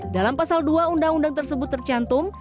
dalam pasal dua undang undang tersebut tercantum